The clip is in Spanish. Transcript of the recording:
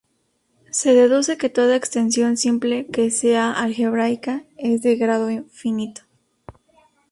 Se deduce que toda extensión simple que sea algebraica es de grado finito.